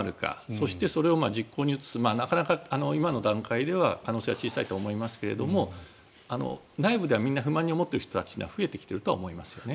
そしてそれを実行に移すなかなか今の段階では可能性は小さいと思いますが内部ではみんな不満に思っている人たちは増えてきていると思います。